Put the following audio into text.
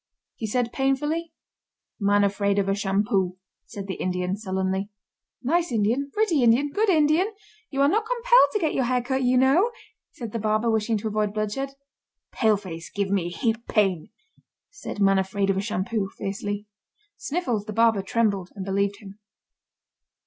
he said painfully. "Man Afraid Of A Shampoo," said the Indian, sullenly. "Nice Indian! pretty Indian! good Indian! You are not compelled to get your hair cut, you know!" said the barber, wishing to avoid bloodshed. "Paleface give me heap pain," said Man Afraid Of A Shampoo, fiercely. Sniffles, the barber, trembled and believed him.